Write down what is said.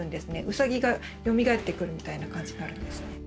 ウサギがよみがえってくるみたいな感じになるんですね。